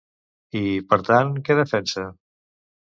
I, per tant, què defensa?